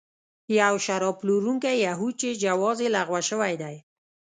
یو شراب پلورونکی یهود چې جواز یې لغوه شوی دی.